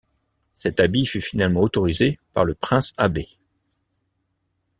Cet habit fut finalement autorisé par le prince-abbé.